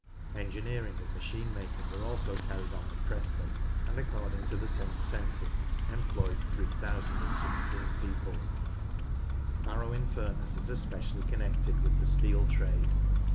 Engineering and machine making are also carried on at Preston, and according to the same census employed 3016 people. Barrow in Furness is especially connected with the steel trade.